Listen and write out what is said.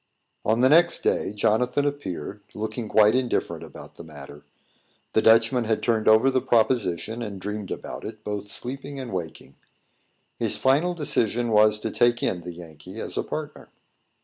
On the next day, Jonathan appeared, looking quite indifferent about the matter. The Dutchman had turned over the proposition, and dreamed about it, both sleeping and waking. His final decision was to take in the Yankee as a partner.